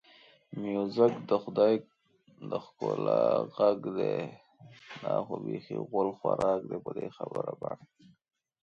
موزیک د خدای د ښکلا غږ دی.